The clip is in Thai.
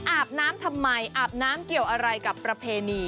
อาบน้ำทำไมอาบน้ำเกี่ยวอะไรกับประเพณี